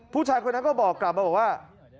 ผู้ชายคนนั้นก็บอกกลับมาบอกว่า